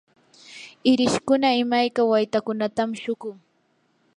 irishkuna imayka waytakunatam shuqun.